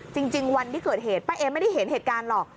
จริงวันที่เกิดเหตุป้าเอไม่ได้เห็นเหตุการณ์หรอก